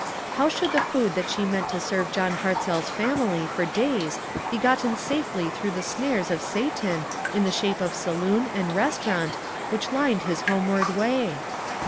How should the food that she meant to serve John Hartzell's family for days be gotten safely through the snares of Satan in the shape of saloon and restaurant which lined his homeward way?